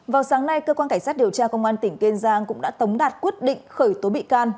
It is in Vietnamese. vào sáng nay cơ quan cảnh sát điều tra công an tỉnh kiên giang cũng đã tống đạt quyết định khởi tố bị can